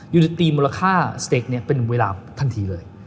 ยุติมูลค่าสเต๊กนี้เป็นเวลาทันทีเลย